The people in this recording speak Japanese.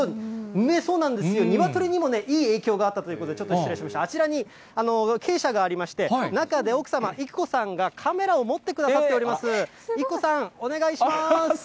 そうなんですよ、ニワトリにもいい影響があったということで、ちょっと失礼します、あちらに鶏舎がありまして、中で奥様、育子さんがカメラを持ってくださっております。